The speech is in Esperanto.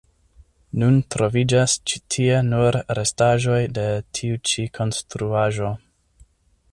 Nun troviĝas ĉi tie nur restaĵoj de tiu ĉi konstruaĵo.